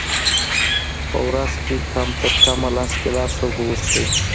په ورځ کي کم ترکمه لس ګیلاسه اوبه وچیښئ